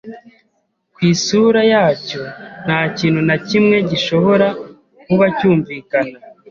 Ku isura yacyo, nta kintu na kimwe gishobora kuba cyumvikana.